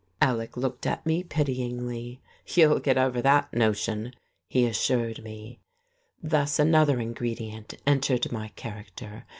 Alec looked at me pityingly. "You'll get over that notion," he assured me. Thus another ingredient entered my character.